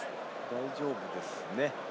大丈夫ですね。